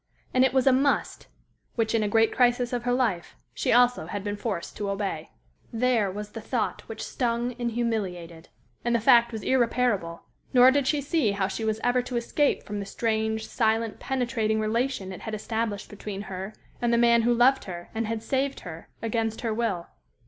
And it was a "must" which, in a great crisis of her life, she also had been forced to obey. There was the thought which stung and humiliated. And the fact was irreparable; nor did she see how she was ever to escape from the strange, silent, penetrating relation it had established between her and the man who loved her and had saved her, against her will.